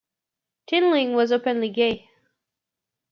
Tinling was openly gay.